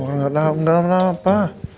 kamu gak tau dalam apa